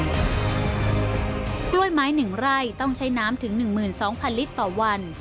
กล้วยไม้๑ไร่ต้องใช้น้ำถึง๑๒๐๐ลิตรต่อวัน